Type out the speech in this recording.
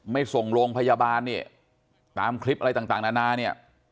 ไม่ส่งโรงพยาบาลเนี่ยตามคลิปอะไรต่างนานาเนี่ย